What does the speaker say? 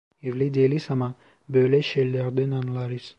Evli değiliz ama, böyle şeylerden anlarız.